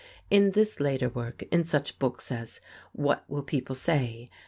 In this later work, in such books as "What Will People Say?"